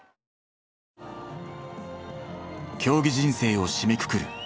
競技人生を締めくくる